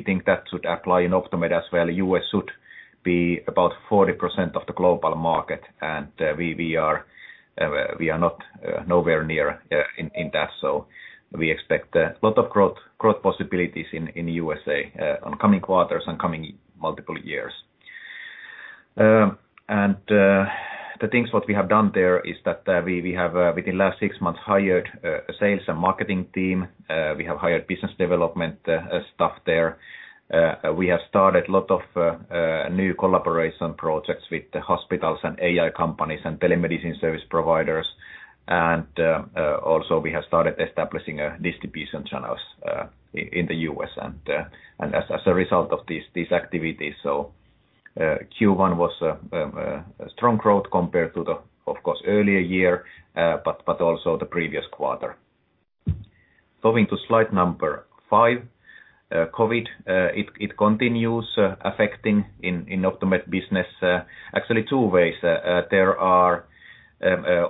Overall, we think that should apply in Optomed as well. The U.S. should be about 40% of the global market, and we are not anywhere near that. We expect a lot of growth possibilities in the U.S. in coming s and coming multiple s. The things what we have done there is that we have within the last six months hired a sales and marketing team. We have hired biness development staff there. We have started a lot of new collaboration projects with the hospitals and AI companies and telemedicine service providers. Also we have started establishing distribution channels in the U.S. and as a result of these activities. Q1 was a strong growth compared to the, of course, earlier year, but also the previous quarter. Going to slide number 5. COVID it continues affecting in Optomed business, actually two ways. There are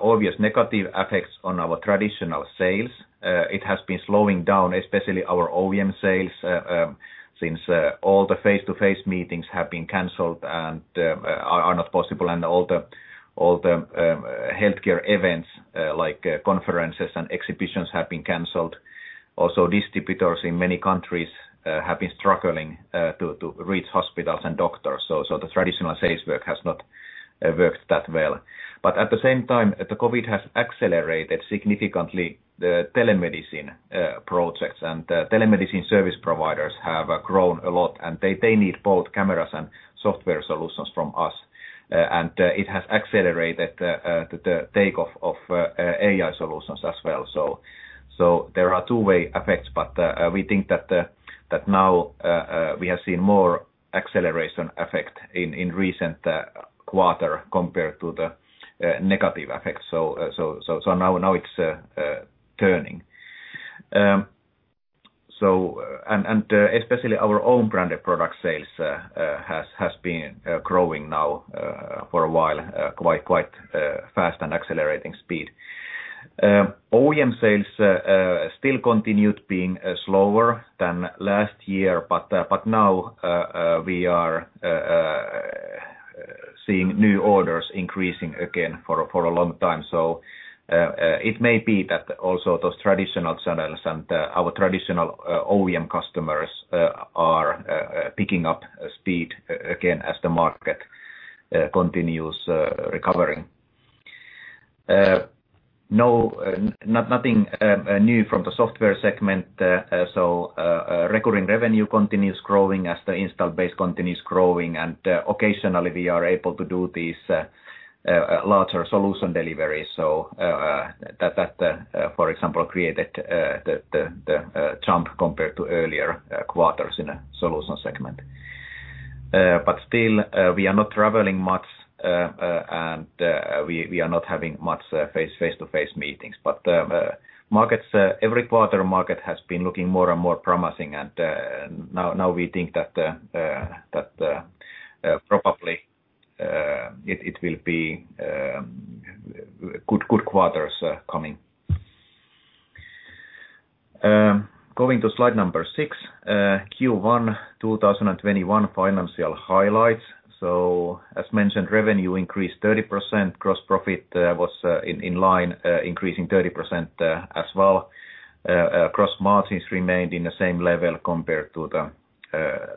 obvious negative effects on our traditional sales. It has been slowing down, especially our OEM sales, since all the face-to-face meetings have been canceled and are not possible. All the healthcare events, like conferences and exhibitions have been canceled. Also, distributors in many countries have been struggling to reach hospitals and doctors. The traditional sales work has not worked that well. At the same time, the COVID has accelerated significantly the telemedicine projects and the telemedicine service providers have grown a lot and they need both cameras and software solutions from us. It has accelerated the takeoff of AI solutions as well. There are two-way effects. We think that now we have seen more acceleration effect in recent quarter compared to the negative effects. Now it's turning. Especially our own branded product sales has been growing now for a while quite fast and accelerating speed. OEM sales still continued being slower than last year. Now we are seeing new orders increasing again for a long time. It may be that also those traditional channels and our traditional OEM customers are picking up speed again as the market continues recovering. Nothing new from the software segment. Recurring revenue continues growing as the installed base continues growing. Occasionally, we are able to do these larger solution deliveries. That, for example, created the jump compared to earlier quarters in a solution segment. Still, we are not traveling much, and we are not having much face-to-face meetings. Markets every quarter have been looking more and more promising. Now we think that probably it will be good quarters coming. Going to slide number 6, Q1 2021 financial highlights. As mentioned, revenue increased 30%. Gross profit was in line, increasing 30% as well. Gross margins remained in the same level compared to the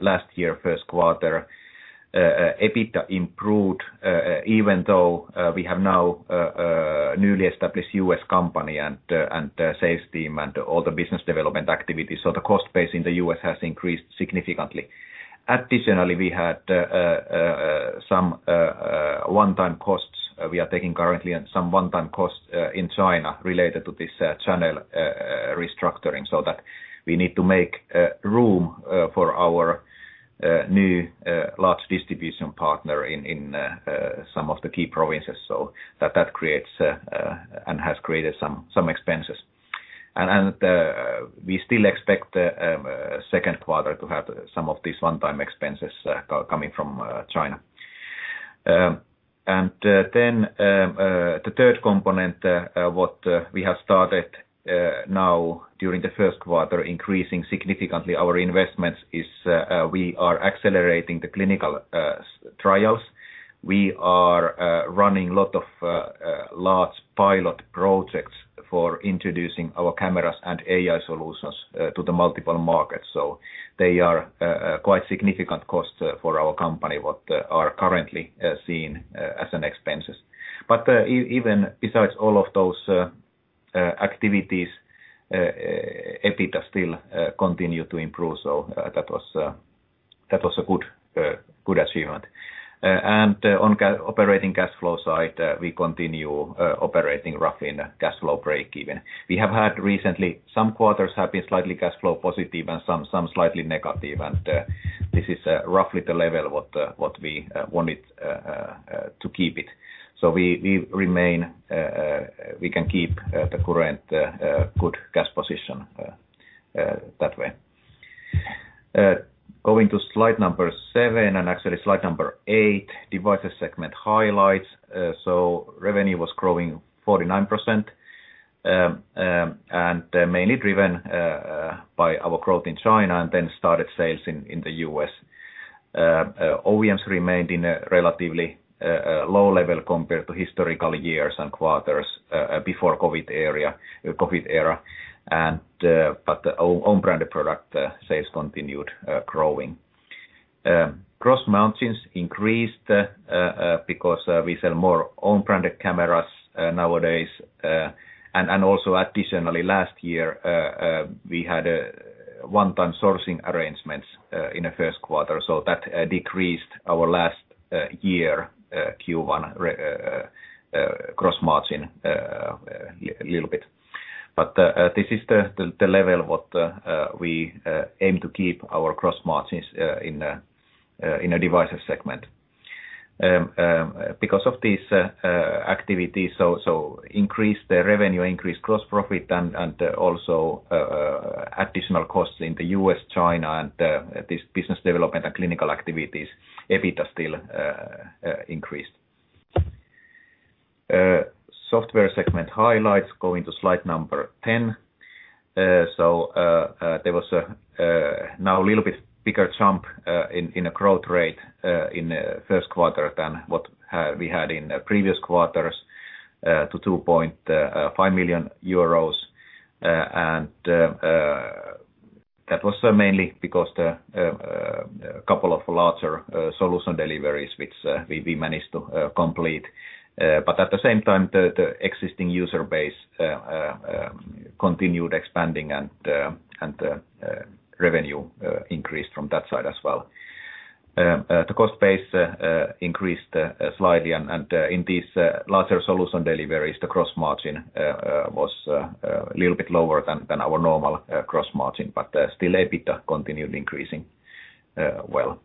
last year Q1. EBITDA improved even though we have now newly established U.S. company and sales team and all the business development activities. The cost base in the U.S. has increased significantly. Additionally, we had some one-time costs we are taking currently and some one-time costs in China related to this channel restructuring so that we need to make room for our new large distribution partner in some of the key provinces so that creates and has created some expenses. We still expect Q2 to have some of these one-time expenses coming from China. The third component, what we have started now during the Q1, increasing significantly our investments, is we are accelerating the clinical trials. We are running lot of large pilot projects for introducing our cameras and AI solutions to the multiple markets. They are quite significant costs for our company that are currently seen as expenses. Even besides all of those activities, EBITDA still continue to improve. That was a good achievement. On operating cash flow side, we continue operating roughly in a cash flow break even. We have had recently some quarters have been slightly cash flow positive and some slightly negative. This is roughly the level that we wanted to keep it. We can keep the current good cash position that way. Going to slide number 7 and actually slide number 8, devices segment highlights. Revenue was growing 49%, and mainly driven by our growth in China and then started sales in the U.S.. OEMs remained in a relatively low level compared to historical years and quarters before COVID era. But own-brand product sales continued growing. Gross margins increased because we sell more own-branded cameras nowadays, and also additionally last year we had a one-time sourcing arrangements in the Q1, so that decreased our last year Q1 gross margin a little bit. This is the level that we aim to keep our gross margins in the Devices segment. Because of these activities, increased revenue, increased gross profit and also additional costs in the U.S., China, and this business development and clinical activities, EBITDA still increased. Software segment highlights going to slide number 10. There was now a little bit bigger jump in the growth rate in the Q1 than what we had in previous quarters to 2.5 million euros. That was mainly because a couple of larger solution deliveries which we managed to complete. At the same time, the existing user base continued expanding and the revenue increased from that side as well. The cost base increased slightly. In these larger solution deliveries, the gross margin was a little bit lower than our normal gross margin, but still EBITDA continued increasing well.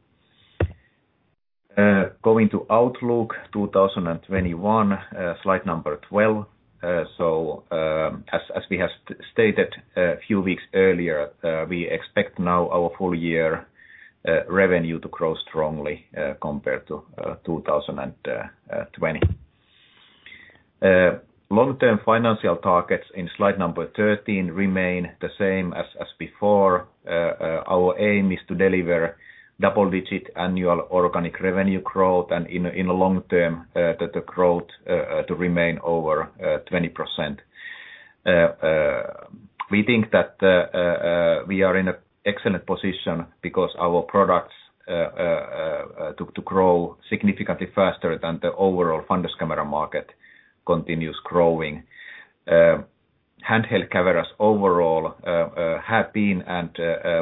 Going to outlook 2021, slide number 12. As we have stated a few weeks earlier, we expect now our full year revenue to grow strongly compared to 2020. Long-term financial targets in slide number 13 remain the same as before. Our aim is to deliver double-digit annual organic revenue growth and in the long term, the growth to remain over 20%. We think that we are in an excellent position because our products to grow significantly faster than the overall fundus camera market continues growing. Handheld cameras overall have been and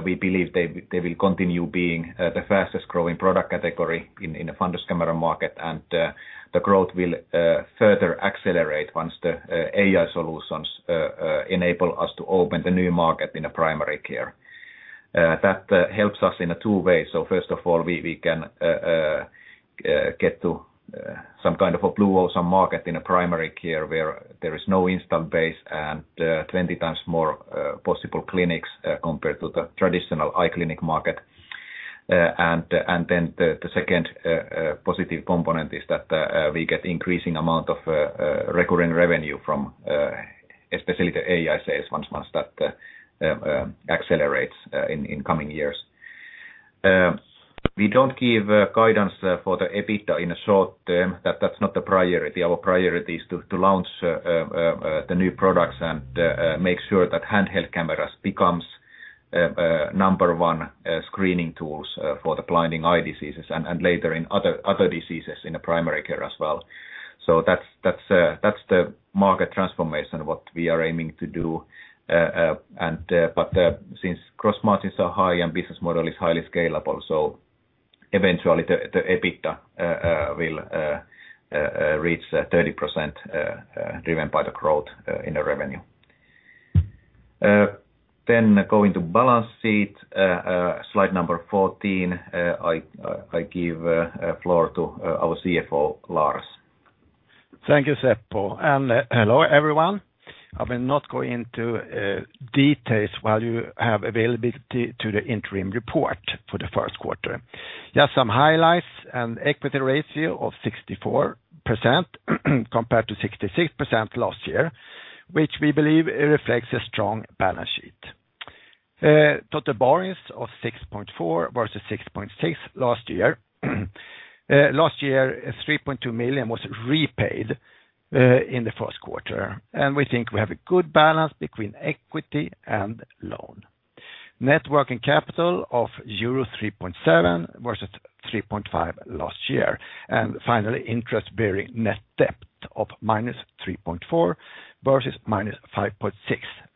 we believe they will continue being the fastest-growing product category in the fundus camera market. The growth will further accelerate once the AI solutions enable us to open the new market in a primary care. That helps us in a two way. First of all, we can get to some kind of a blue ocean market in primary care where there is no installed base and 20 times more possible clinics compared to the traditional eye clinic market. Then the second positive component is that we get increasing amount of recurring revenue from especially the AI sales once that accelerates in coming years. We don't give guidance for the EBITDA in a short term. That's not the priority. Our priority is to launch the new products and make sure that handheld cameras becomes number one screening tools for the blinding eye diseases and later in other diseases in primary care as well. That's the market transformation, what we are aiming to do. Since gross margins are high and business model is highly scalable, eventually the EBITDA will reach 30%, driven by the growth in the revenue. Going to balance sheet, slide number 14. I give the floor to our CFO, Lars. Thank you, Seppo. Hello, everyone. I will not go into details while you have access to the interim report for the Q1. Just some highlights and equity ratio of 64% compared to 66% last year, which we believe reflects a strong balance sheet. Total borrowings of 6.4 versus 6.6 last year. Last year, 3.2 million was repaid in the Q1, and we think we have a good balance between equity and loan. Net working capital of euro 3.7 versus 3.5 last year. Finally, interest-bearing net debt of -3.4 versus -5.6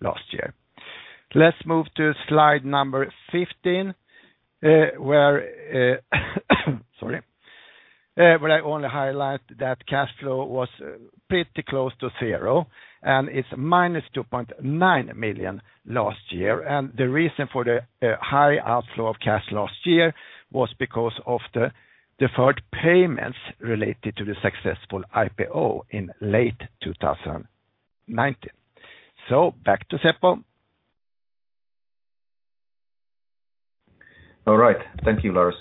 last year. Let's move to slide number 15, where, sorry. Where I only highlight that cash flow was pretty close to zero, and it's -2.9 million last year. The reason for the high outflow of cash last year was because of the deferred payments related to the successful IPO in late 2019. Back to Seppo. All right. Thank you, Lars.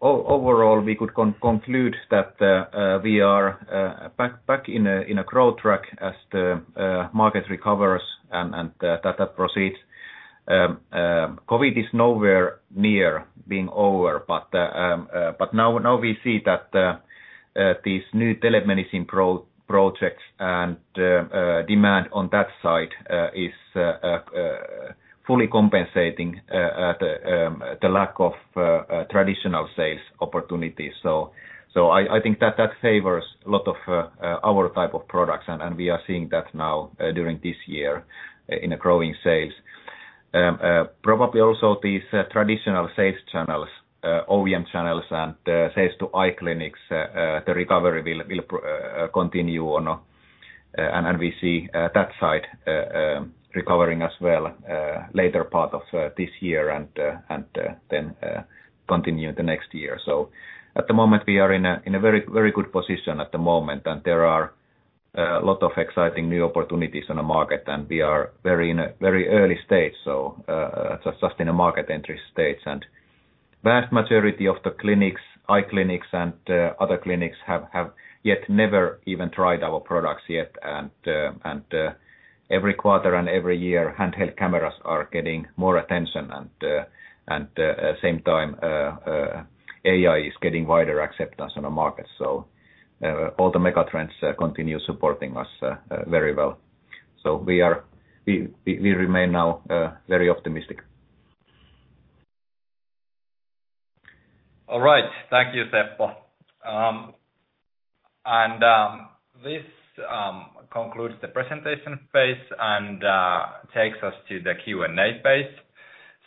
Overall, we could conclude that we are back in a growth track as the market recovers and data proceeds. COVID is nowhere near being over, but now we see that these new telemedicine projects and demand on that side is fully compensating the lack of traditional sales opportunities. I think that favors a lot of our type of products and we are seeing that now during this year in growing sales. Probably also these traditional sales channels, OEM channels, and sales to eye clinics. The recovery will continue on. We see that side recovering as well, later part of this year, and then continue the next year. At the moment, we are in a very good position at the moment, and there are a lot of exciting new opportunities in the market, and we are in a very early stage, just in a market entry stage. Vast majority of the clinics, eye clinics and other clinics have yet never even tried our products yet. Every quarter and every year, handheld cameras are getting more attention and, at the same time, AI is getting wider acceptance on the market. All the mega trends continue supporting us very well. We remain now very optimistic. All right. Thank you, Seppo. This concludes the presentation phase and takes us to the Q&A phase.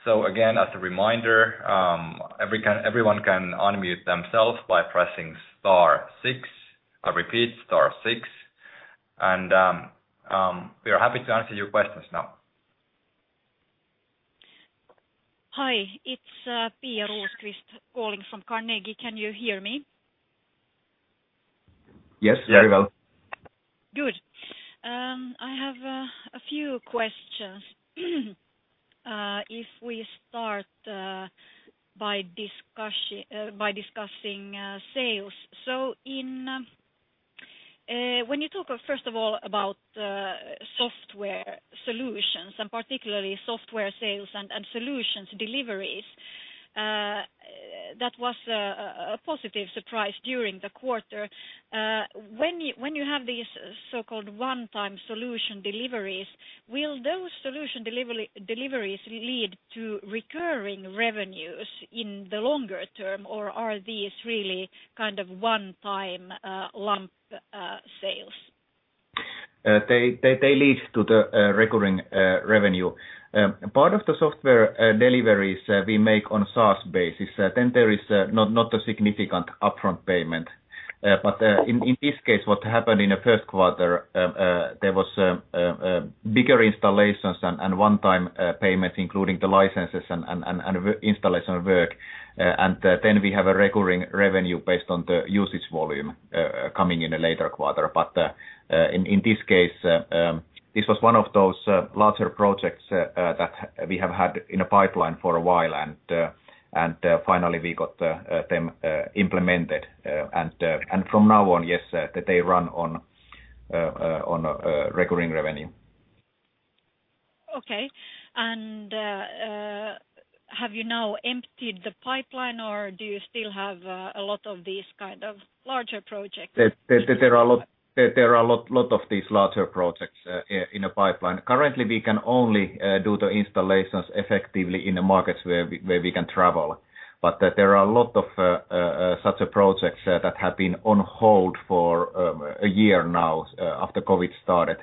Again, as a reminder, everyone can unmute themselves by pressing star six. I repeat, star six. We are happy to answer your questions now. Hi, it's Pia Rosqvist-Heinsalmi calling from Carnegie. Can you hear me? Yes, very well. Good. I have a few questions. If we start by discussing sales. When you talk first of all about software solutions and particularly software sales and solutions deliveries, that was a positive surprise during the quarter. When you have these so-called one-time solution deliveries, will those solution deliveries lead to recurring revenues in the longer term, or are these really kind of one time lump sales? They lead to the recurring revenue. Part of the software deliveries we make on a SaaS basis, then there is not a significant upfront payment. In this case, what happened in the Q1 was bigger installations and one-time payments, including the licenses and installation work. Then we have a recurring revenue based on the usage volume coming in a later quarter. In this case, this was one of those larger projects that we have had in a pipeline for a while. Finally we got them implemented. From now on, yes, they run on recurring revenue. Okay. Have you now emptied the pipeline, or do you still have a lot of these kind of larger projects? There are a lot of these larger projects in the pipeline. Currently, we can only do the installations effectively in the markets where we can travel. There are a lot of such projects that have been on hold for a year now after COVID started.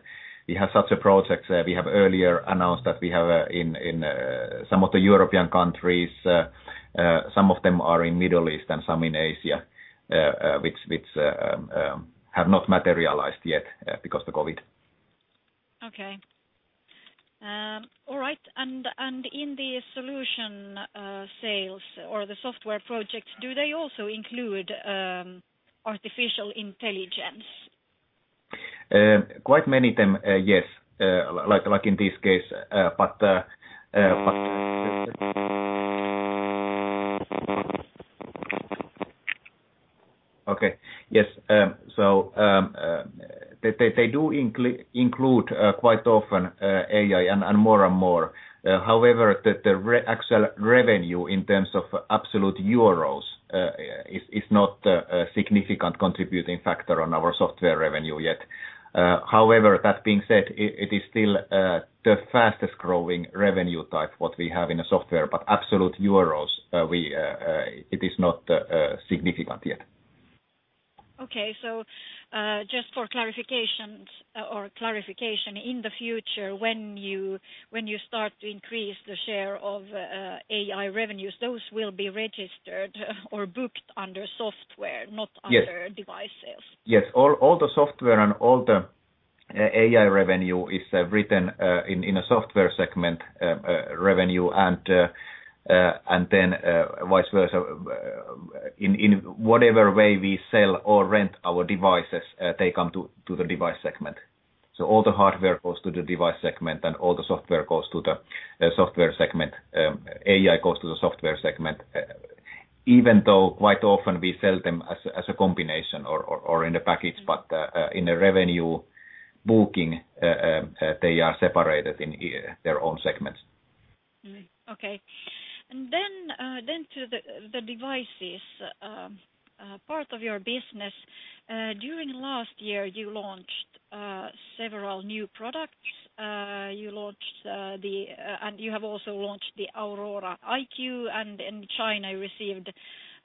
We have such a project we have earlier announced that we have in some of the European countries, some of them are in Middle East and some in Asia, which have not materialized yet because of COVID. All right. In the solution sales or the software projects, do they also include artificial intelligence? Quite many of them, yes. Like in this case. Okay. Yes. They do include quite often AI and more and more. However, the recurring revenue in terms of absolute euros is not a significant contributing factor on our software revenue yet. However, that being said, it is still the fastest growing revenue type what we have in the software, but in absolute euros it is not significant yet. Okay. Just for clarification, in the future, when you start to increase the share of AI revenues, those will be registered or booked under software- Yes. Not under device sales? Yes. All the software and all the AI revenue is written in a software segment revenue, and then vice versa. In whatever way we sell or rent our devices, they come to the device segment. All the hardware goes to the device segment, and all the software goes to the software segment. AI goes to the software segment. Even though quite often we sell them as a combination or in a package, but in a revenue booking, they are separated in their own segments. Okay. To the devices part of your business. During last year, you launched several new products. You have also launched the Aurora IQ, and in China received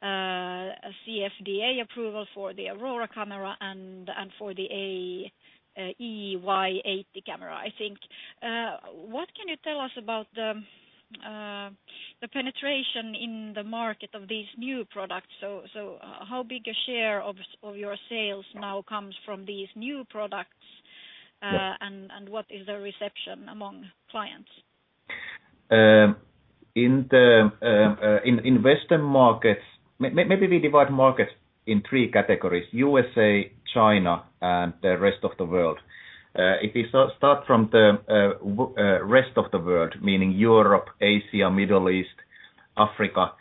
a CFDA approval for the Aurora camera and for the AEYE camera, I think. What can you tell us about the penetration in the market of these new products? How big a share of your sales now comes from these new products? Yeah What is the reception among clients? In Western markets, maybe we divide markets in three categories: USA, China, and the rest of the world. If we start from the rest of the world, meaning Europe, Asia, Middle East, Africa,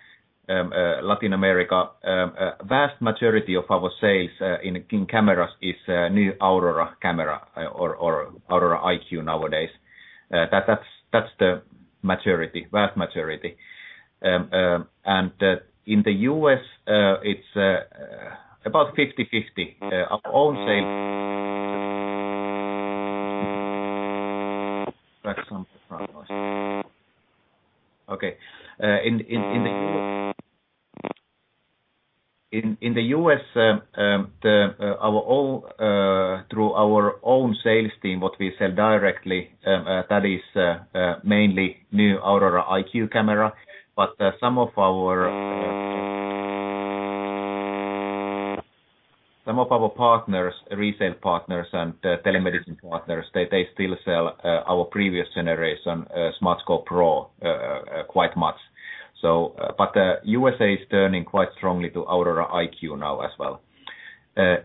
Latin America, a vast majority of our sales in cameras is new Aurora camera or Aurora IQ nowadays. That's the vast majority. In the U.S., it's about 50/50. Our own sales. Okay. In the U.S., our own through our own sales team, what we sell directly, that is mainly new Aurora IQ camera. Some of our partners, resale partners and telemedicine partners, they still sell our previous generation Smartscope PRO quite much. USA is turning quite strongly to Aurora IQ now as well.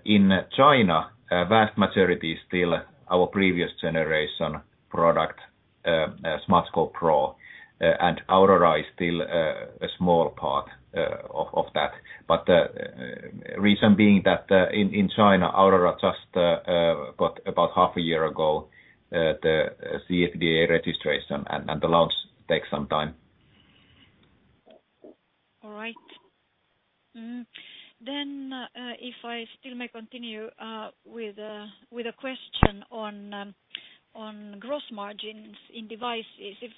In China, a vast majority is still our previous generation product, Smartscope PRO, and Aurora is still a small part of that. The reason being that in China, Aurora just got about half a year ago the CFDA registration and the launch takes some time. All right. If I still may continue with a question on gross margins in devices. If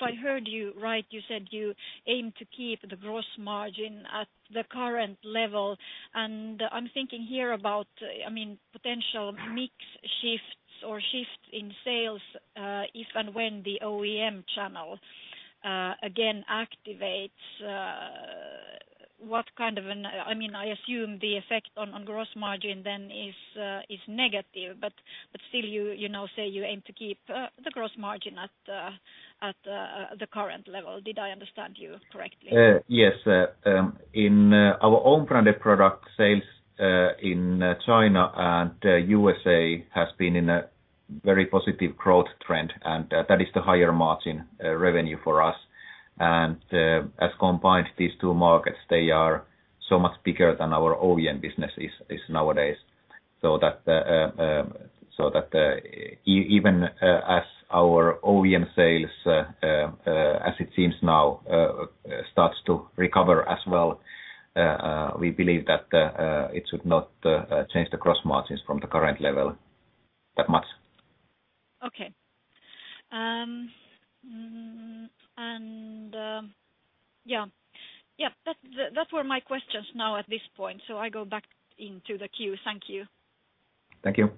I heard you right, you said you aim to keep the gross margin at the current level. I'm thinking here about, I mean, potential mix shifts or shifts in sales, if and when the OEM channel again activates. I mean, I assume the effect on gross margin then is negative, but still you now say you aim to keep the gross margin at the current level. Did I understand you correctly? Yes. In our own branded product sales in China and USA has been in a very positive growth trend, and that is the higher margin revenue for us. As combined, these two markets, they are so much bigger than our OEM business is nowadays. That even as our OEM sales, as it seems now, starts to recover as well, we believe that it should not change the gross margins from the current level that much. Okay. Yeah, that were my questions now at this point, so I go back into the queue. Thank you. Thank you.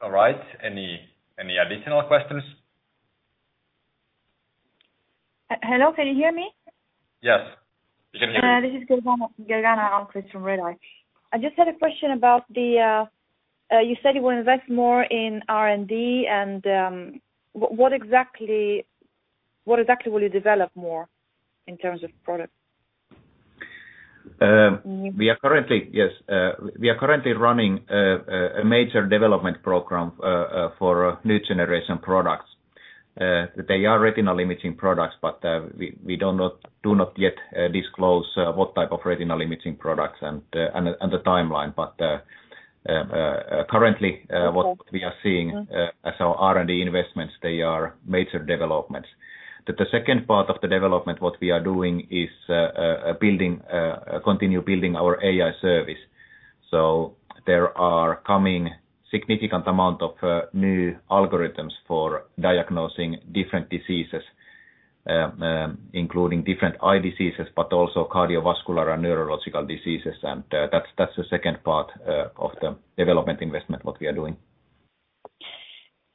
All right. Any additional questions? Hello? Can you hear me? Yes. We can hear you. This is Helena Åhman from Redeye. I just had a question about the you said you will invest more in R&D and what exactly will you develop more in terms of product? We are currently running a major development program for new generation products. They are retinal imaging products, but we do not yet disclose what type of retinal imaging products and the timeline. Okay. What we are seeing, as our R&D investments, they are major developments. The second part of the development, what we are doing is continue building our AI service. There are coming significant amount of new algorithms for diagnosing different diseases, including different eye diseases, but also cardiovascular and neurological diseases. That's the second part of the development investment, what we are doing.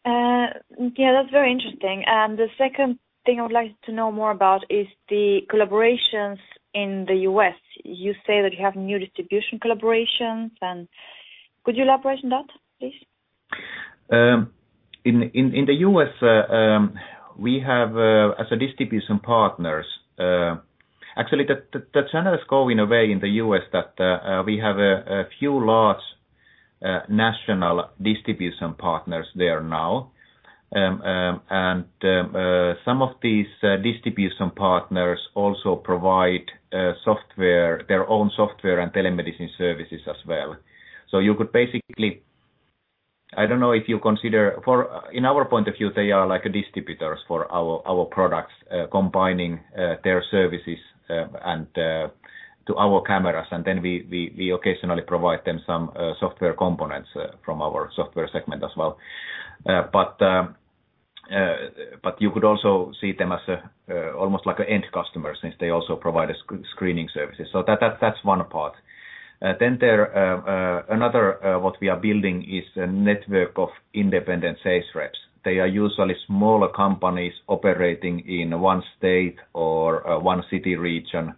Yeah, that's very interesting. The second thing I would like to know more about is the collaborations in the U.S. You say that you have new distribution collaborations, and could you elaborate on that, please? In the U.S., we have as a distribution partners. Actually, the channel is going away in the U.S. that we have a few large national distribution partners there now. Some of these distribution partners also provide software, their own software and telemedicine services as well. You could basically, I don't know if you consider in our point of view, they are like distributors for our products, combining their services and to our cameras, and then we occasionally provide them some software components from our software segment as well. You could also see them as almost like an end customer since they also provide a screening services. That's one part. What we are building is a network of independent sales reps. They are usually smaller companies operating in one state or one city region,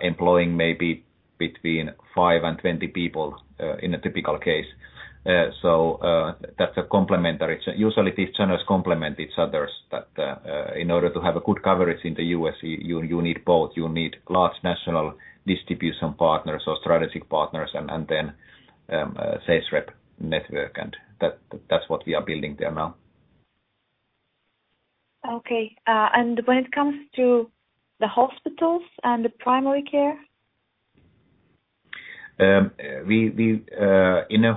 employing maybe between 5 and 20 people, in a typical case. That's complementary. Usually these channels complement each other in order to have a good coverage in the U.S., you need both. You need large national distribution partners or strategic partners and a sales rep network. That's what we are building there now. Okay. When it comes to the hospitals and the primary care? We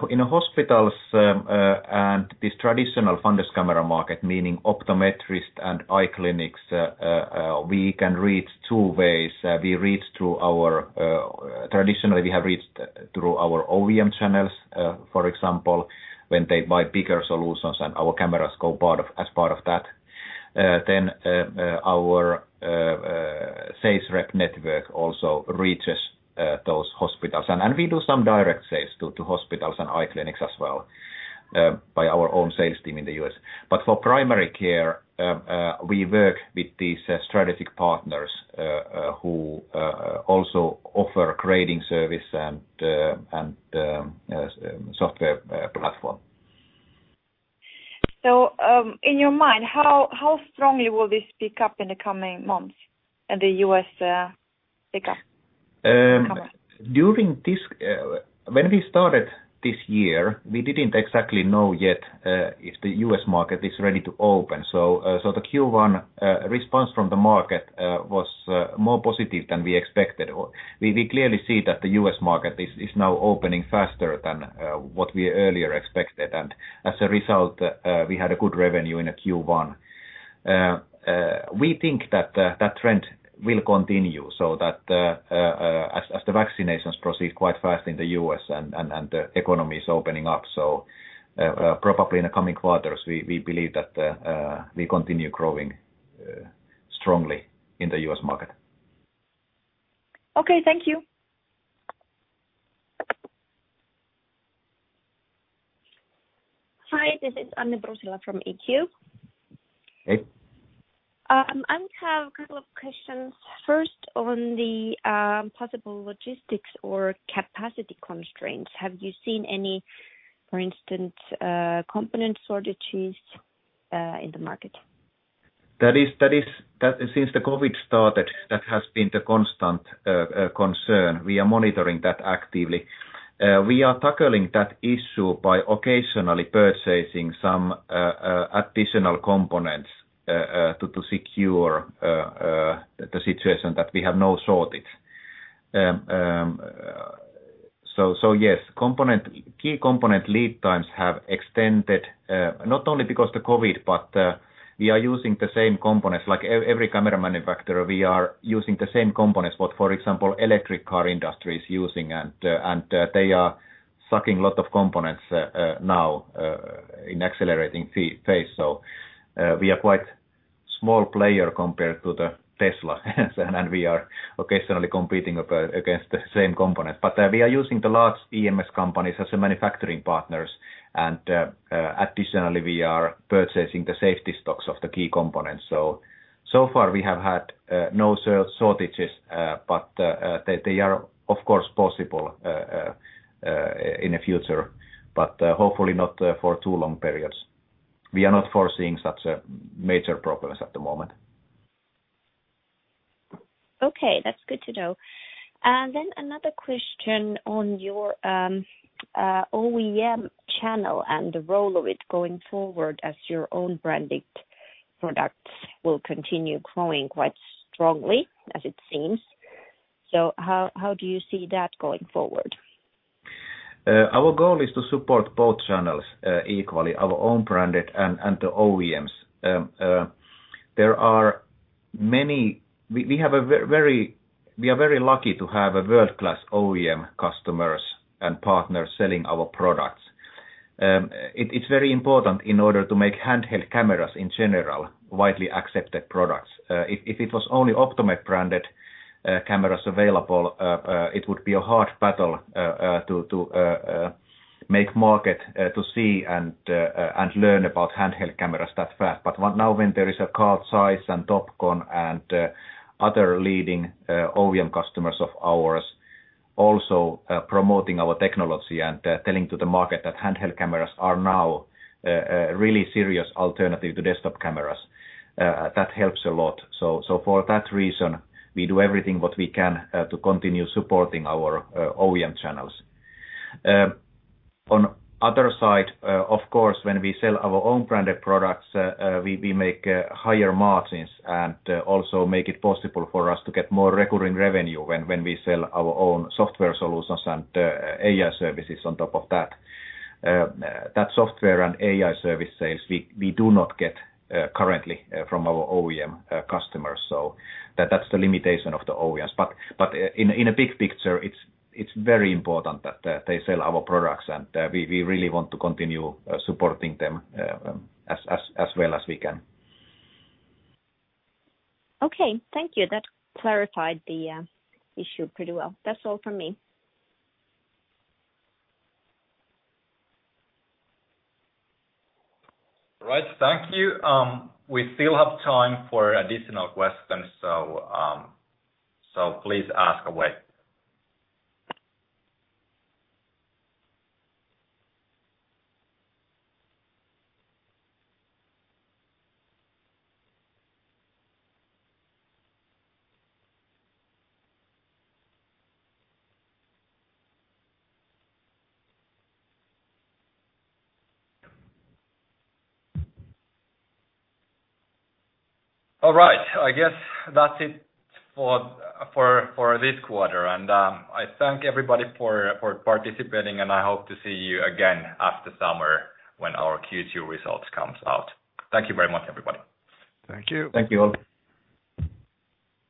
in hospitals and this traditional fundus camera market, meaning optometrists and eye clinics, we can reach two ways. Traditionally, we have reached through our OEM channels, for example, when they buy bigger solutions and our cameras go as part of that. Our sales rep network also reaches those hospitals. We do some direct sales to hospitals and eye clinics as well, by our own sales team in the U.S. For primary care, we work with these strategic partners who also offer grading service and the software platform. In your mind, how strongly will this pick up in the coming months in the U.S., pick up camera? When we started this year, we didn't exactly know yet if the U.S. market is ready to open. The Q1 response from the market was more positive than we expected. We clearly see that the U.S. market is now opening faster than what we earlier expected. As a result, we had a good revenue in the Q1. We think that that trend will continue so that as the vaccinations proceed quite fast in the U.S. and the economy is opening up. Probably in the coming quarters, we believe that we continue growing strongly in the U.S. market. Okay. Thank you. Hi, this is Anne-Leena Räsänen from. Hey. I have a couple of questions. First, on the possible logistics or capacity constraints. Have you seen any, for instance, component shortages in the market? Since the COVID started, that has been the constant concern. We are monitoring that actively. We are tackling that issue by occasionally purchasing some additional components to secure the situation that we have no shortage. Yes, key component lead times have extended, not only because the COVID, but we are using the same components. Like every camera manufacturer, we are using the same components that, for example, electric car industry is using, and they are sucking a lot of components now in accelerating phase. We are quite small player compared to the Tesla, and we are occasionally competing against the same component. We are using the large EMS companies as manufacturing partners. Additionally, we are purchasing the safety stocks of the key components. So far we have had no shortages, but they are, of course, possible in the future, but hopefully not for too long periods. We are not foreseeing such a major problems at the moment. Okay, that's good to know. Another question on your OEM channel and the role of it going forward as your own branded products will continue growing quite strongly, as it seems. How do you see that going forward? Our goal is to support both channels equally, our own branded and the OEMs. We are very lucky to have world-class OEM customers and partners selling our products. It's very important in order to make handheld cameras in general widely accepted products. If it was only Optomed branded cameras available, it would be a hard battle to make the market see and learn about handheld cameras that fast. What now, when there is a Carl Zeiss and Topcon and other leading OEM customers of ours also promoting our technology and telling to the market that handheld cameras are now really serious alternative to desktop cameras, that helps a lot. For that reason, we do everything what we can to continue supporting our OEM channels. On other side, of course, when we sell our own branded products, we make higher margins and also make it possible for us to get more recurring revenue when we sell our own software solutions and AI services on top of that. That software and AI service sales, we do not get currently from our OEM customers. That's the limitation of the OEMs. In a big picture, it's very important that they sell our products, and we really want to continue supporting them, as well as we can. Okay. Thank you. That clarified the issue pretty well. That's all from me. All right. Thank you. We still have time for additional questions, so please ask away. All right. I guess that's it for this quarter, and I thank everybody for participating, and I hope to see you again after summer when our Q2 results comes out. Thank you very much, everybody. Thank you. Thank you all.